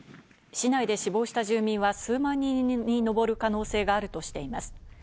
市内で死亡した住民は数万人にのぼる可能性があるとしています。